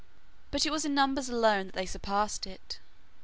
But it was in numbers alone that they surpassed it.